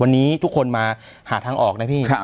วันนี้ทุกคนมาหาทางออกนะพี่